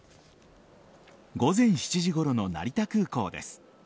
午前７時ごろの成田空港です。